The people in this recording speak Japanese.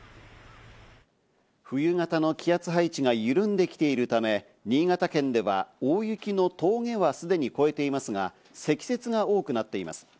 冬型の気圧配置が緩んできているため、新潟県では大雪の峠はすでに超えていますが、積雪が多くなっています。